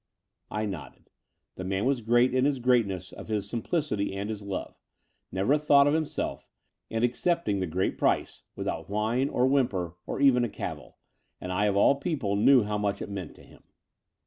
I nodded. The man was great in the greatness of his simplicity arid his love — never a thought of himself, and accepting the great price without whine or whimper or even a cavil: and I, of all people, knew how much it meant to him.